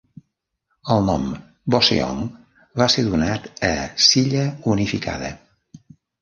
El nom "Boseong" va ser donat a Silla unificada.